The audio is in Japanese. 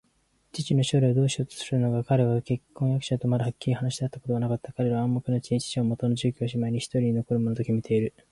父の将来をどうしようとするのか、彼は婚約者とまだはっきり話し合ったことはなかった。彼らは暗黙のうちに、父はもとの住居すまいにひとり残るものときめていた